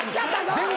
全然。